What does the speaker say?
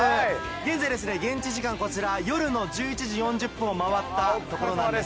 現在、現地時間、こちら夜の１１時４０分を回ったところなんです。